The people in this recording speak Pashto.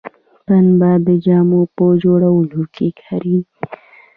پنبه د جامو په جوړولو کې کاریږي